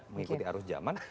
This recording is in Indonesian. mengikuti arus zaman